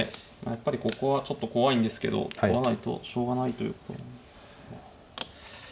やっぱりここはちょっと怖いんですけど取らないとしょうがないという。